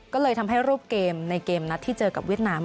ก็เลยทำให้รูปเกมในเกมนัดที่เจอกับเวียดนาม